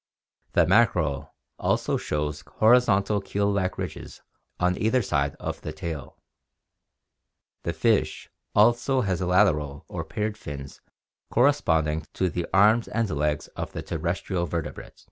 The mackerel also shows horizontal keel like ridges on either side of the tail. The fish also has lateral or paired fins corresponding to the arms and legs of the terrestrial vertebrate.